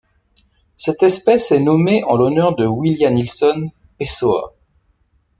Cette espèce est nommée en l'honneur de Willianilson Pessoa.